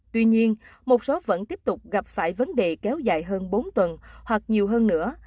tuy nhiên một số vẫn tiếp tục gặp phải vấn đề kéo dài hơn bốn tuần hoặc nhiều hơn nữa